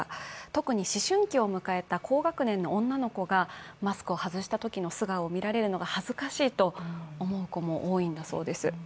特に思春期を迎えた高学年の女の子がマスクを外したときの素顔を見られるのが恥ずかしいと思う子も多いんだそうです。